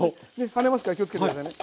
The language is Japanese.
跳ねますから気をつけて下さいね。